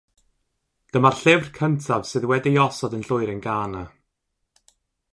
Dyma'r llyfr cyntaf sydd wedi'i osod yn llwyr yn Ghana.